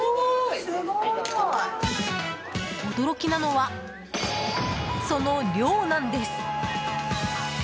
驚きなのは、その量なんです！